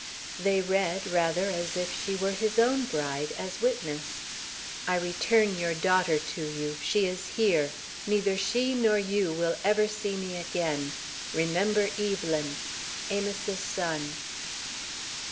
They read, rather, as if she were his own bride, as witness: I return your daughter to you. She is here. Neither she nor you will ever see me again. Remember Evelyn! AMOS'S SON.